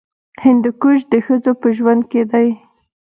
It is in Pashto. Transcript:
هندوکش د ښځو په ژوند کې دي.